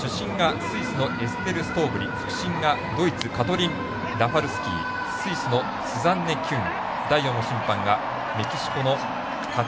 スイスのエステル・ストーブリ副審がドイツカトリン・ラファルスキスイスのスザンネ・キュング。